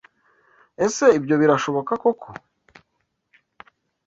Ese ibyo birashoboka koko?